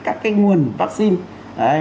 các cái nguồn vaccine